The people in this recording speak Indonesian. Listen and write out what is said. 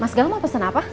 mas galang mau pesen apa